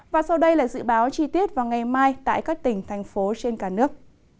và sau đây là dự báo chi tiết vào ngày mai tại các tỉnh thành phố trên cả nước